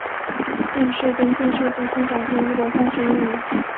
殿试登进士第三甲第一百三十一名。